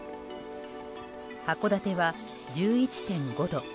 函館は、１１．５度。